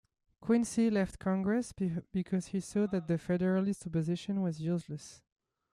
Quincy left Congress because he saw that the Federalist opposition was useless.